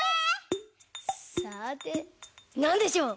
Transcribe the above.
さてなんでしょう？